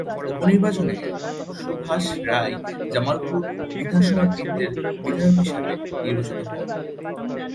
উপনির্বাচনে সুভাষ রাই জালালপুর বিধানসভা কেন্দ্রের বিধায়ক হিসেবে নির্বাচিত হন।